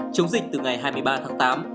chống dịch từ ngày hai mươi ba tháng tám